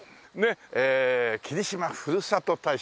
えー「霧島ふるさと大使」。